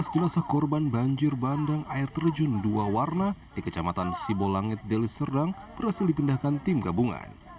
empat belas jenazah korban banjir bandang air terjun dua warna di kecamatan sibu langit deliserdang berhasil dipindahkan tim gabungan